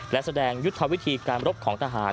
และแสดงยุทธวิธีการรบของทหาร